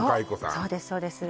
そうですそうです